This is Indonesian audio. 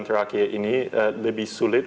terakhir ini lebih sulit